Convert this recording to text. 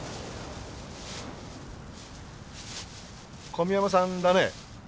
小宮山さんだね？